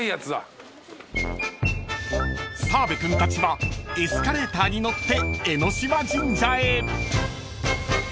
［澤部君たちはエスカレーターに乗って江島神社へ］